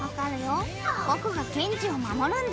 僕がケンジを守るんだ！